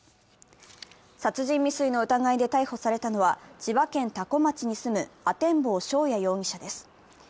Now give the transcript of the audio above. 殺人未遂の疑いで逮捕されたのは、千葉県多古町に住む阿天坊翔也容疑者です。